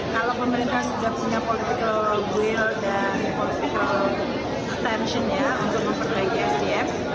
kalau pemerintah sudah punya political will dan political tension ya untuk memperbaiki sds